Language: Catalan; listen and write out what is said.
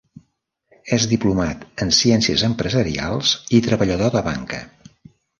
És diplomat en Ciències Empresarials i treballador de Banca.